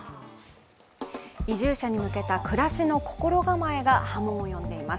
移住者に向けた暮らしの心構えが波紋を呼んでいます。